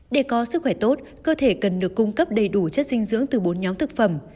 để có sức khỏe tốt cơ thể cần được cung cấp đầy đủ chất dinh dưỡng từ bốn nhóm thực phẩm